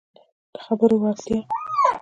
د خبرو وړتیا